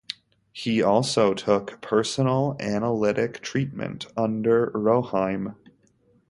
He also took personal analytic treatment under Roheim.